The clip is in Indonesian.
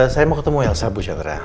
saya mau ketemu elsa bu chandra